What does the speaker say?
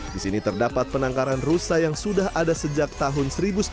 di sini terdapat penangkaran rusa yang sudah ada sejak tahun seribu sembilan ratus delapan puluh